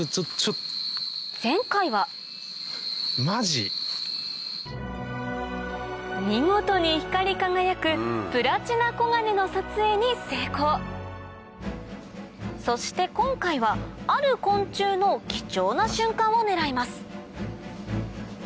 前回は見事に光り輝くプラチナコガネの撮影に成功そして今回はある昆虫の貴重な瞬間を狙います